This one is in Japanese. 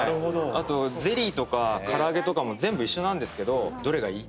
あとゼリーとか唐揚げとかも全部一緒なんですけど「どれがいい？」とかって。